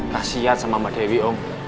kasiat sama mbak dewi om